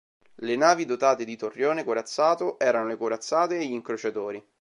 Le navi dotate di torrione corazzato erano le corazzate e gli incrociatori.